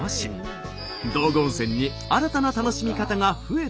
道後温泉に新たな楽しみ方が増えています。